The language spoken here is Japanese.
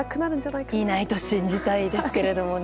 いないと信じたいですけどね。